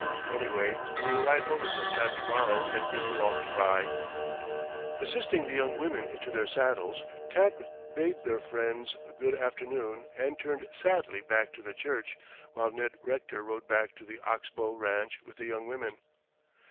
Anyway, we will ride over some time to morrow and bid you all good bye." Assisting the young women into their saddles, Tad bade their friends good afternoon and turned sadly back to the church, while Ned Rector rode back to the Ox Bow ranch with the young women.